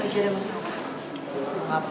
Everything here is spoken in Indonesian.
lagi ada masalah